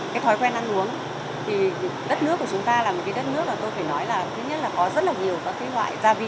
cái thói quen ăn uống thì đất nước của chúng ta là một cái đất nước mà tôi phải nói là thứ nhất là có rất là nhiều các cái loại gia vị